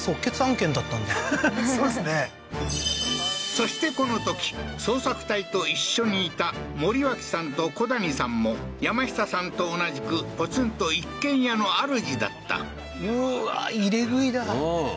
そしてこのとき捜索隊と一緒にいた森脇さんと古谷さんも山下さんと同じくポツンと一軒家の主だったうわ入れ食いだ